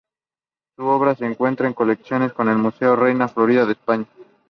Su obra se encuentra en colecciones como el Museo Reina Sofía de España.